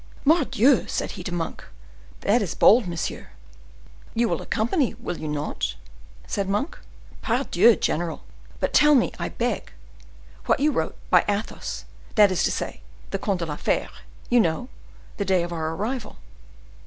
"Mordioux!" said he to Monk, "that is bold, monsieur." "You will accompany me, will you not?" said Monk. "Pardieu! general. But tell me, I beg, what you wrote by Athos, that is to say, the Comte de la Fere—you know—the day of our arrival?"